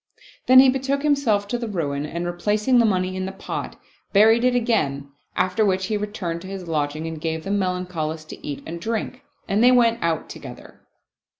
Then he betook himself to the ruin and replacing the money in the pot, buried it again ; after which he returned to his lodging and gave the Melancholist to eat and drink, and they went out together.